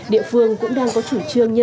địa phương cũng đang có chủ trương